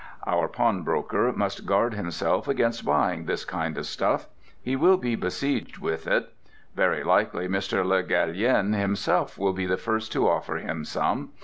Our pawnbroker must guard himself against buying this kind of stuff. He will be besieged with it. Very likely Mr. Le Gallienne himself will be the first to offer him some.